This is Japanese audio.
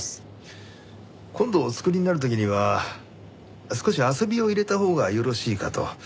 今度お作りになる時には少し遊びを入れたほうがよろしいかと。